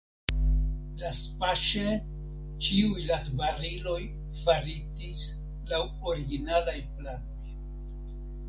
Lastpaŝe ĉiuj latbariloj faritis laŭ originalaj planoj.